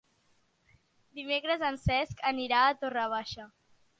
Dimecres en Cesc anirà a Torre Baixa.